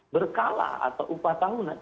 berkala atau upah tahunan